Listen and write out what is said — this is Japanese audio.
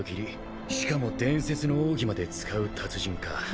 しかも伝説の奥義まで使う達人か。